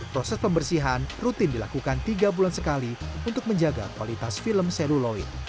proses pembersihan rutin dilakukan tiga bulan sekali untuk menjaga kualitas film seluloid